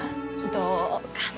どうかな